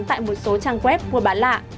tại một số trang web mua bán lạ